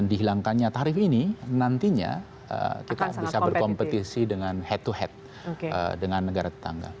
dihilangkannya tarif ini nantinya kita bisa berkompetisi dengan head to head dengan negara tetangga